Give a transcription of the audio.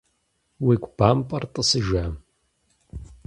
Уи гу бэмпӀар тӀысыжа?